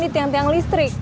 di tiang tiang listrik